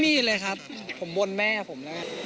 มีเลยครับผมวนแม่ผมแล้ว